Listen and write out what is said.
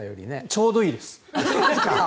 ちょうどいいです。